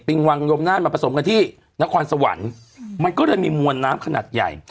วังยมนานมาผสมกันที่นครสวรรค์มันก็เลยมีมวลน้ำขนาดใหญ่